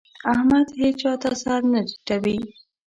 احمد هيچا ته سر نه ټيټوي.